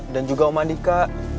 dan juga om adika